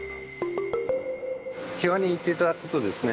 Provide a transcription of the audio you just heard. キワに行って頂くとですね